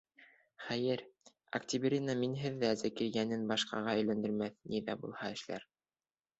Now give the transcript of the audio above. Хәйер, Октябрина минһеҙ ҙә Зәкирйәнен башҡаға өйләндермәҫ, ни ҙә булһа эшләр!